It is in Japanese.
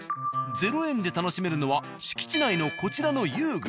０円で楽しめるのは敷地内のこちらの遊具。